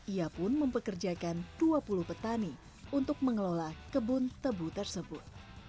ia pun mempekerjakan dua puluh petani untuk mengelola kebun tebu tersebut